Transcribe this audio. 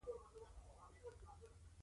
په يو څاڅکي مني کښې بلا ډېر سپرمونه وي.